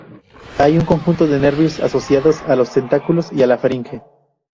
Hay un conjunto de nervios asociados a los tentáculos y la faringe.